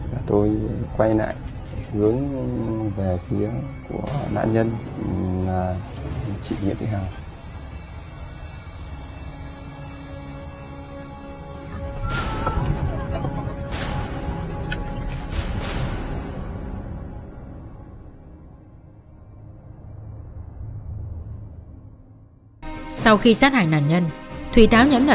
và tôi quay lại hướng về phía của nạn nhân là chị nghĩa thị hào